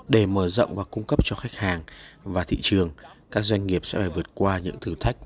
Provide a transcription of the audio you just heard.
để mở rộng và cung cấp cho khách hàng và thị trường các doanh nghiệp sẽ phải vượt qua những thử thách